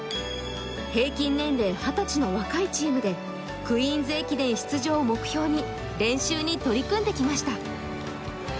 平均年齢二十歳の若いチームで、クイーンズ駅伝出場を目標に練習に取り組んできました。